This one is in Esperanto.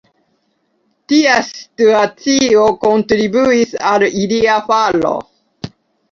Tia situacio kontribuis al ilia falo.